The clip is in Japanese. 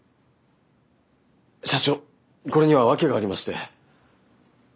社長これには訳がありまして。